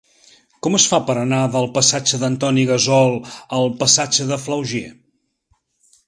Com es fa per anar del passatge d'Antoni Gassol al passatge de Flaugier?